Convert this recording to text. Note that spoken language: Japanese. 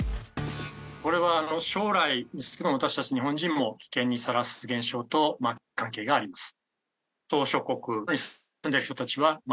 これは将来私たち日本人も危険にさらす現象と関係があります。